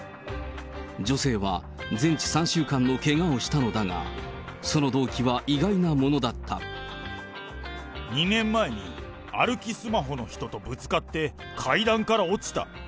女性は、全治３週間のけがをしたのだが、その動機は意外なものだ２年前に、歩きスマホの人とぶつかって、階段から落ちた。